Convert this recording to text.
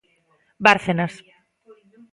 Bárcenas.